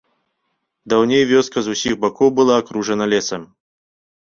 Даўней вёска з усіх бакоў была акружана лесам.